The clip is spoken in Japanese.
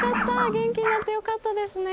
元気になってよかったですね。